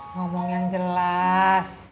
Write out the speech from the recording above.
ngomong yang jelas